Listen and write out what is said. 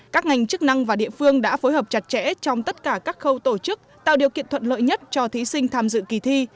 các ngành chức năng và địa phương đã phối hợp chặt chẽ trong tất cả các khâu tổ chức tạo điều kiện thuận lợi nhất cho thí sinh tham dự kỳ thi